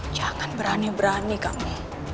jangan berani berani kamu